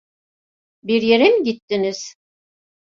Bir yere mi gittiniz?